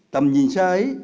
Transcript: tầm nhìn sai